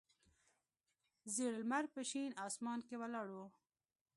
زیړ لمر په شین اسمان کې ولاړ و.